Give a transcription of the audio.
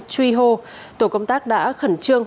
truy hô tổ công tác đã khẩn trương